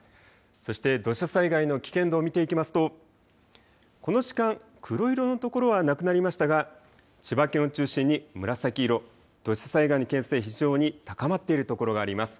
そして土砂災害の危険度を見ていきますとこの時間、黒色のところはなくなりましたが千葉県を中心に紫色、土砂災害の危険性、非常に高まっているところがあります。